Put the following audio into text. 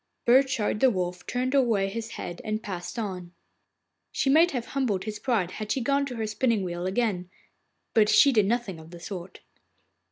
Burchard the Wolf turned away his head and passed on. She might have humbled his pride had she gone to her spinning wheel again, but she did nothing of the sort.